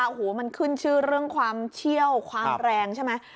โอ้โหมันขึ้นชื่อเรื่องความเชี่ยวความแรงใช่ไหม